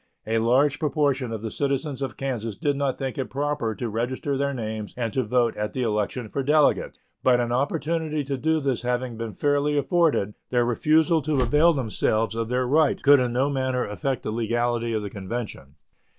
A large proportion of the citizens of Kansas did not think proper to register their names and to vote at the election for delegates; but an opportunity to do this having been fairly afforded, their refusal to avail themselves of their right could in no manner affect the legality of the convention.